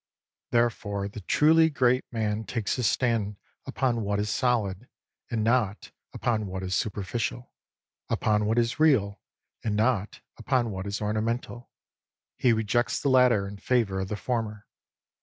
Therefore the truly great man takes his stand upon what is solid, and not upon what is superficial ; upon what is real, and not upon what is ornamental. He rejects the latter in favour of the former.